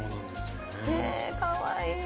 えかわいい。